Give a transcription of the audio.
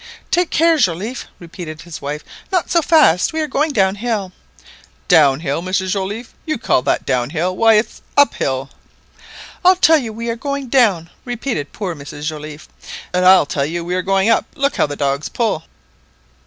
"Take care, Joliffe," repeated his little wife; "not so fast, we are going down hill." "Down hill, Mrs Joliffe; you call that down hill? why, it's up hill!" "I tell you we are going down!" repeated poor Mrs Joliffe. "And I tell you we are going up; look how the dogs pull